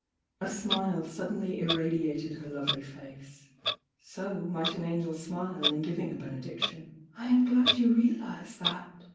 A smile suddenly irradiated her lovelj^ face,— so mi^t an angel smile in giving a benediction. "I am glad you realise that!"